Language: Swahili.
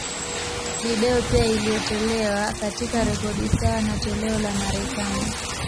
Video pia iliyotolewa, katika rekodi sawa na toleo la Marekani.